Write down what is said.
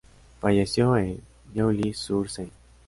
Falleció en Neuilly-sur-Seine.